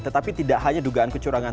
tetapi tidak hanya dugaan kecurangan